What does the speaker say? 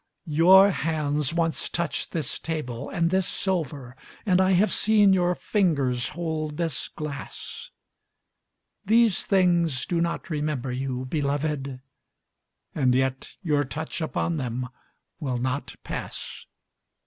Your hands once touched this table and this silver, And I have seen your fingers hold this glass. These things do not remember you, beloved, — And yet your touch upon them will not pass.